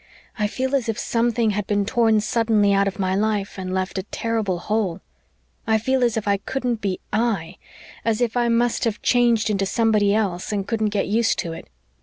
I feel as if something had been torn suddenly out of my life and left a terrible hole. I feel as if I couldn't be I as if I must have changed into somebody else and couldn't get used to it.